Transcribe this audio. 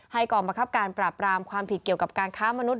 กองบังคับการปราบรามความผิดเกี่ยวกับการค้ามนุษย